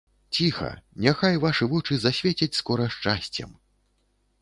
Ціха, няхай вашы вочы засвецяць скора шчасцем.